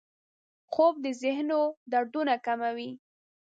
خوب د ذهنو دردونه کموي